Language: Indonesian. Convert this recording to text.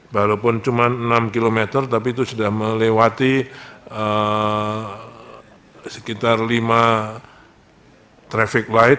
walaupun cuma enam km tapi itu sudah melewati sekitar lima traffic light